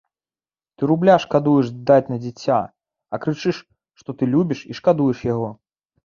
Ты рубля шкадуеш даць на дзіця, а крычыш, што ты любіш і шкадуеш яго.